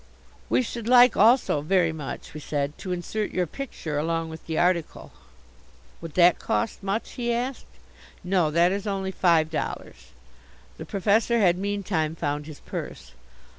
"We should like also very much," we said, "to insert your picture along with the article " "Would that cost much?" he asked. "No, that is only five dollars." The Professor had meantime found his purse.